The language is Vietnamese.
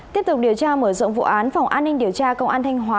tiếp tục điều tra mở rộng vụ án phòng an ninh điều tra công an thanh hóa